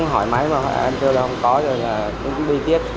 hỏi máy mà anh chưa có rồi là cũng đi tiếp